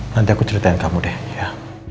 nanti aku ceritain kamu deh ya